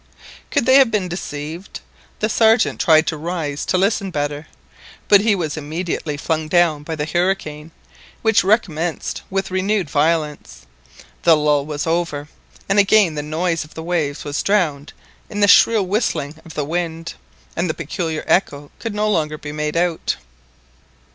Could they have been deceived? The Sergeant tried to rise to listen better, but he was immediately flung down by the hurricane, which recommenced with renewed violence. The lull was over, and again the noise of the waves was drowned in the shrill whistling of the wind, and the peculiar echo could no longer be made out.